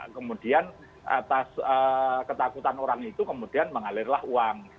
kemudian atas ketakutan orang itu kemudian mengalirlah uang